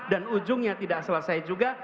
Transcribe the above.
dan ujungnya tidak selesai juga